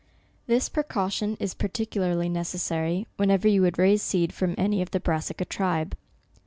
This precaution is particularly necessarv, whenever you would raise seed from any of the brassica tribe.